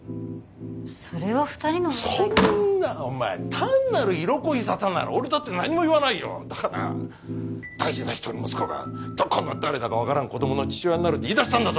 それは二人の問題かとそんなのお前っ単なる色恋ざたなら俺だって何も言わないよだがな大事な一人息子がどこの誰だか分からん子どもの父親になるって言いだしたんだぞ